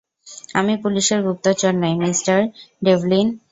আমি পুলিশের গুপ্তচর নই, মিঃ ডেভলিন।